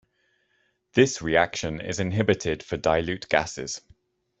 This reaction is inhibited for dilute gases.